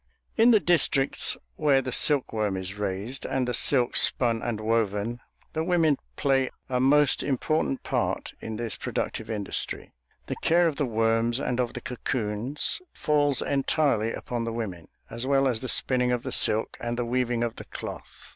In the districts where the silkworm is raised, and the silk spun and woven, the women play a most important part in this productive industry. The care of the worms and of the cocoons falls entirely upon the women, as well as the spinning of the silk and the weaving of the cloth.